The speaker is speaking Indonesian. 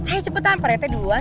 ayo cepetan pak retta duluan